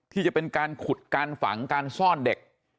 ที่จะเป็นการขุดการฝังการซ่อนเด็ก